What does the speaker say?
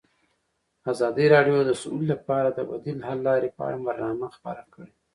ازادي راډیو د سوله لپاره د بدیل حل لارې په اړه برنامه خپاره کړې.